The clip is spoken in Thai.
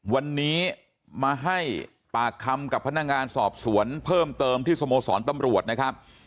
วันนี้มาให้ปากคำกับพนักงานสอบสวนเพิ่มเติมที่สโมสรตำรวจนะครับ